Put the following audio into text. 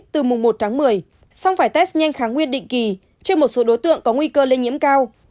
từ mùng một tráng một mươi xong phải test nhanh kháng nguyên định kỳ trên một số đối tượng có nguy cơ lên nhiễm cao